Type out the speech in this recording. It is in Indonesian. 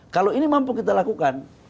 kalau ini mampu kita lakukan